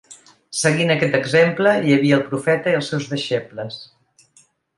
Seguint aquest exemple, hi havia el profeta i els seus deixebles.